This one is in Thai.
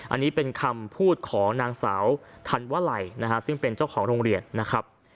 อันนี้เป็นคำพูดของนางสาวธันวาลัยนะฮะซึ่งเป็นเจ้าของโรงเรียนนะครับ